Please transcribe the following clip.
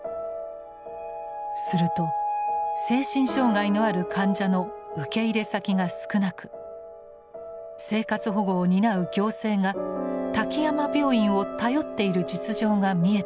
すると精神障害のある患者の受け入れ先が少なく生活保護を担う行政が滝山病院を頼っている実情が見えてきました。